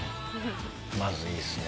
まずいいですね。